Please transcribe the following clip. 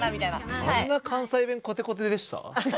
あんな関西弁コテコテでした？